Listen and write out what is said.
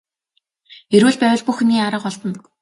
Эрүүл байвал бүх юмны арга олдоно.